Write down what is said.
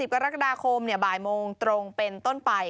กรกฎาคมบ่ายโมงตรงเป็นต้นไป